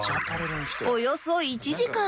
およそ１時間